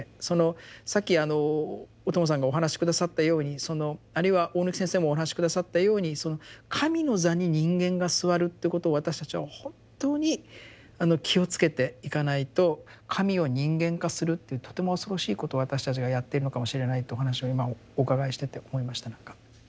そのさっき小友さんがお話し下さったようにあるいは大貫先生もお話し下さったようにその神の座に人間が座るっていうことを私たちは本当に気をつけていかないと神を人間化するっていうとても恐ろしいことを私たちがやっているのかもしれないとお話を今お伺いしてて思いました何か。